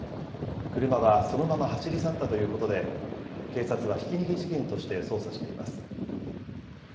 車はそのまま走り去ったということで、警察はひき逃げ事件として捜査しています。